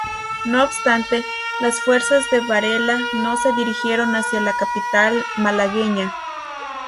No obstante, las fuerzas de Varela no se dirigieron hacia la capital malagueña.